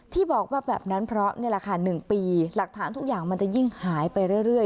ที่บอกว่าแบบนั้นเพราะนี่แหละค่ะ๑ปีหลักฐานทุกอย่างมันจะยิ่งหายไปเรื่อย